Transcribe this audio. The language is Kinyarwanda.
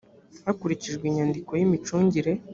hakurikijwe inyandiko y ‘imicungire